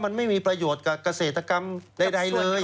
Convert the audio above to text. มันไม่มีประโยชน์กับเกษตรกรรมใดเลย